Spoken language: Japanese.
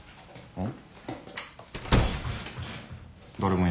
あっ！？